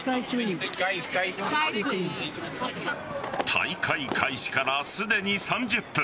大会開始からすでに３０分。